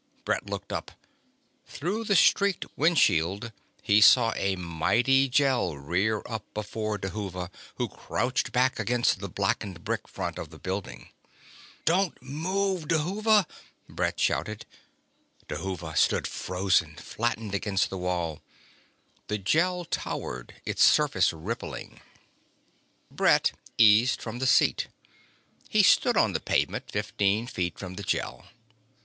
Brett looked up. Through the streaked windshield he saw a mighty Gel rear up before Dhuva, who crouched back against the blackened brick front of the building. "Don't move, Dhuva!" Brett shouted. Dhuva stood frozen, flattened against the wall. The Gel towered, its surface rippling. Brett eased from the seat. He stood on the pavement, fifteen feet from the Gel.